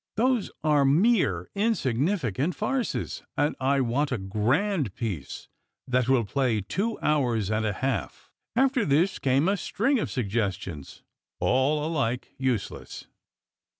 Those are mere insignificant farces, and I want a grand piece that will play two hours and a half." After this came a string of suggestions, all alike useless.